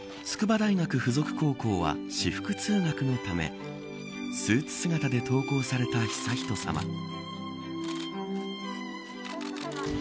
筑波大学附属高校は私服通学のためスーツ姿で登校された悠仁さま。